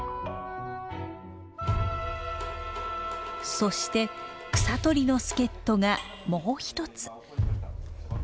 そして草取りの助っ人がもう一つ。